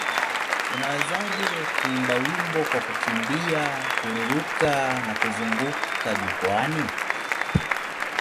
Unawezaje kuimba wimbo kwa kukimbia, kururuka na kuzunguka jukwaani?